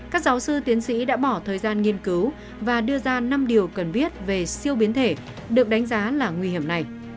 các giáo sư tiến sĩ đã bỏ thời gian nghiên cứu và đưa ra năm điều cần biết về siêu biến thể được đánh giá là nguy hiểm này